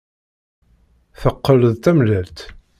Teqqel d tamellalt.